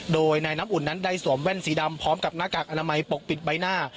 โดยนายน้ำอุ่นนั้นได้สวมแว่นสีดำพร้อมกับหน้ากากอนามัยปกปิดใบหน้า